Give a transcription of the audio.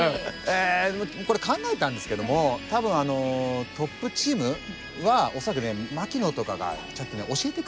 えこれ考えたんですけども多分トップチームは恐らく槙野とかがちゃんとね教えてくれると思うんですよ。